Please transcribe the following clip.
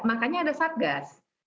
makanya ada sadgas